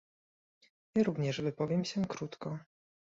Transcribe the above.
Ja również wypowiem się krótko